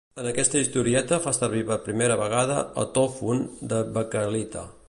En aquesta historieta fa servir per primera vegada otòfon de baquelita.